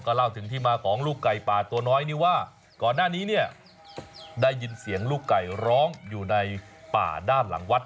เล่าถึงที่มาของลูกไก่ป่าตัวน้อยนี่ว่าก่อนหน้านี้เนี่ยได้ยินเสียงลูกไก่ร้องอยู่ในป่าด้านหลังวัด